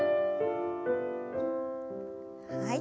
はい。